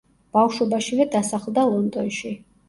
ბავშვობაშივე დასახლდა ლონდონში.